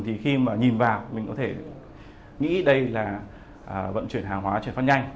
thì khi mà nhìn vào mình có thể nghĩ đây là vận chuyển hàng hóa chuyển phát nhanh